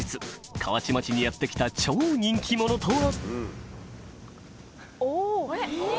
河内町にやって来た超人気者とは？